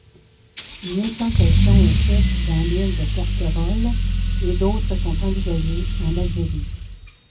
Une implantation est faite dans l'île de Porquerolles et d'autres sont envisagées en Algérie.